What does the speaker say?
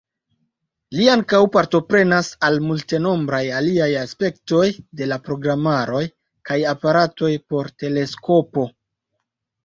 Li ankaŭ partoprenas al multenombraj aliaj aspektoj de la programaroj kaj aparatoj por teleskopo.